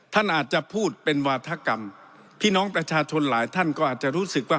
ท่านอาจจะพูดเป็นวาธกรรมพี่น้องประชาชนหลายท่านก็อาจจะรู้สึกว่า